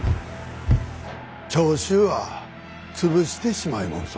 長州は潰してしまいもんそ。